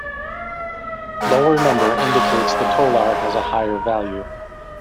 Lower number indicates the tolar has a higher value.